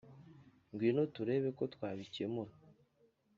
Ngwino turebe ko twabikemura